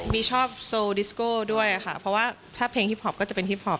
มีชอบโซดิสโก้ด้วยค่ะเพราะว่าถ้าเพลงฮิปพอปก็จะเป็นฮิปพอป